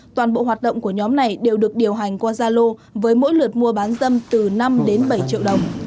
toàn bộ hoạt động của nhóm này đều được điều hành qua gia lô với mỗi lượt mua bán dâm từ năm đến bảy triệu đồng